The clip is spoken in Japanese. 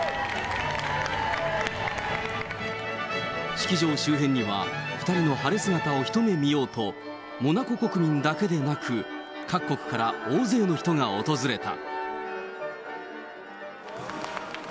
式場周辺には、２人の晴れ姿を一目見ようと、モナコ国民だけでなく、各国から大勢の人が訪れた。